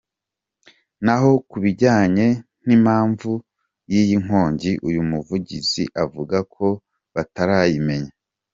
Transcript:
Naho ku bijyanye n’impamvu y’iyi nkongi, uyu muvugizi avuga ko batarayimenya.